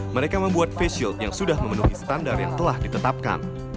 mereka membuat face shield yang sudah memenuhi standar yang telah ditetapkan